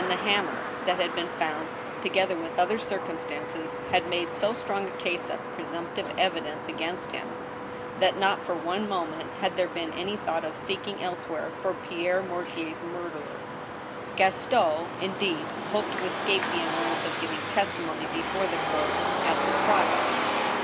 the hammer that had been found, together with other circumstances had made so strong a case of presumptive evidence against him, that not for one moment had there been any thought of seeking elsewhere for Pierre Mortier's murderer. Gaston, indeed, hoped to escape the annoyance of giving testi mony before the court at the trial.